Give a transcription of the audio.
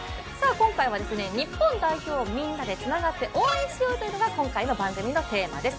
今回は、日本代表をみんなでつながって応援しようというのが今回の番組のテーマです。